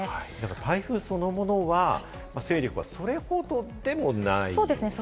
台風そのものは勢力はそれほどでもない。